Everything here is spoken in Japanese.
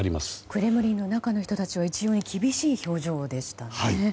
クレムリンの人たちは一様に厳しい表情でしたね。